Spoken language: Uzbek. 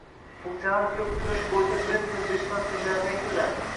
Funksional ko‘pkurash bo‘yicha birinchi O‘zbekiston chempionati yakunlandi